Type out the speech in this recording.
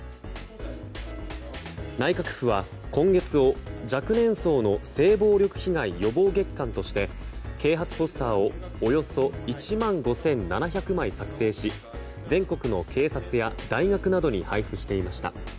内閣府は今月を、若年層の性暴力被害予防月間として啓発ポスターをおよそ１万５７００枚作成し全国の警察や大学などに配布していました。